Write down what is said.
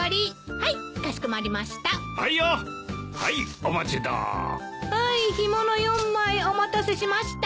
はい干物４枚お待たせしました。